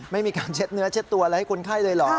ไม่มีการเช็ดเนื้อเช็ดตัวอะไรให้คนไข้เลยเหรอ